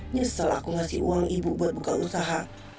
nyesel aku ngasih uang ibu buat buka usaha